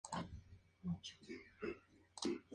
Se alimentan de invertebrados y peces pequeños.